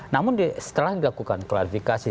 namun setelah dilakukan klarifikasi